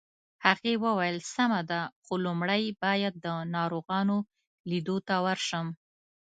هغې وویل: سمه ده، خو لومړی باید د ناروغانو لیدو ته ورشم.